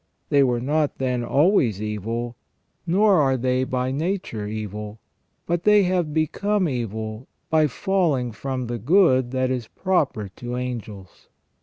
They were not, then, always evil, nor are they by nature evil; but they have become evil by failing from the good that is proper to angels.